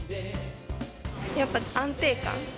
やっぱり安定感。